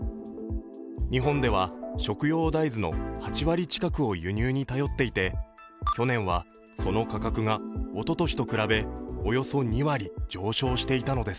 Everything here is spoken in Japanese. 日本では、食用大豆の８割近くを輸入に頼っていて去年はその価格がおととしと比べおよそ２割上昇していたのです。